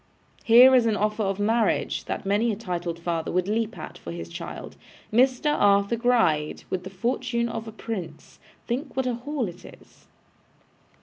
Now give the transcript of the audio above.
Here is an offer of marriage, that many a titled father would leap at, for his child. Mr Arthur Gride, with the fortune of a prince. Think what a haul it is!